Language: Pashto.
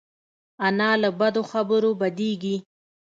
انا له بدو خبرو بدېږي